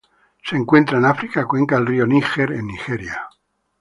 Se encuentran en África: cuenca del río Níger en Nigeria.